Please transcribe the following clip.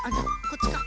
こっちか。